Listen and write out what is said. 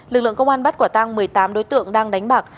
lực lượng công an bắt quả tăng một mươi tám đối tượng đang đánh bạc